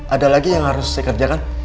ada lagi yang harus dikerjakan